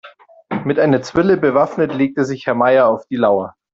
Mit einer Zwille bewaffnet legt sich Herr Meier auf die Lauer.